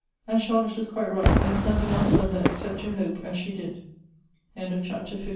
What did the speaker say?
And Charlotte was quite right ; there was nothing else for her except to hope as she did. CHAPTER XVI.